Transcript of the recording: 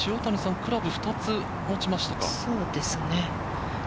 クラブを２つ持ちましたか。